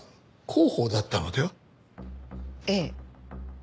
ええ。